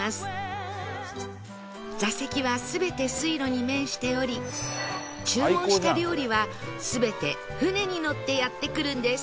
座席は全て水路に面しており注文した料理は全て船にのってやってくるんです